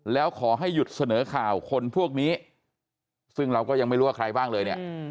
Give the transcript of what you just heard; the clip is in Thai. แล้วขอให้หยุดเสนอข่าวคนพวกนี้ซึ่งเราก็ยังไม่รู้ว่าใครบ้างเลยเนี่ย